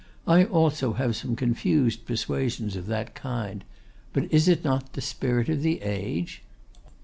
I also have some confused persuasions of that kind. But it is not the Spirit of the Age.